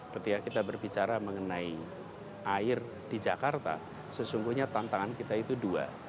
ketika kita berbicara mengenai air di jakarta sesungguhnya tantangan kita itu dua